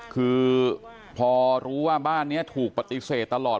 คือพอรู้ว่าบ้านนี้ถูกปฏิเสธตลอด